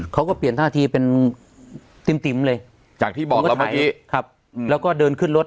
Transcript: เขาก็เปลี่ยนท่าทีเป็นติ๋มติ๋มเลยจากที่บอกเมื่อเมื่อกี้ครับแล้วก็เดินขึ้นรถ